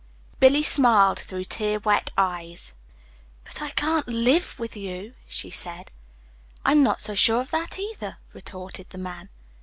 Billy smiled through tear wet eyes. "But I can't LIVE with you," she said. "I'm not so sure of that, either," retorted the man.